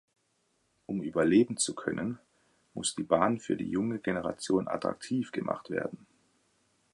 Um überleben zu können, muss die Bahn für die junge Generation attraktiv gemacht werden.